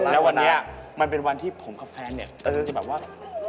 แล้ววันนี้มันเป็นวันที่ผมกับแฟนเนี่ยเออจะแบบว่า